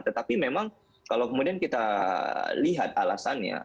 tetapi memang kalau kemudian kita lihat alasannya